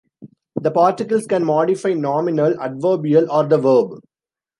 The particles can modify nominal, adverbial or the verb.